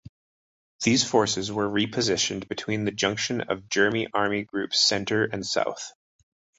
These forces were repositioned between the junction of German Army Groups Center and South.